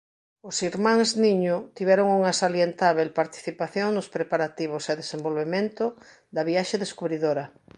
Os irmáns Niño tiveron unha salientábel participación nos preparativos e desenvolvemento da viaxe descubridora.